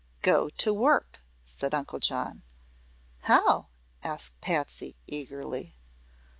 "Go to work!" said Uncle John. "How?" asked Patsy, eagerly.